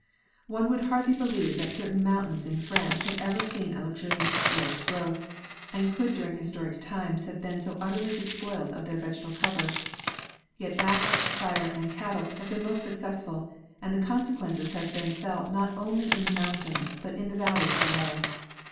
One would hardly believe that certain mountains in France had ever seen a luxuriant forest growth, and could during historic times have been so utterly despoiled of their vegetal cover. Yet axe, fire and cattle have been most successful, and the consequences have been felt not only in the mountains, but in the valleys below.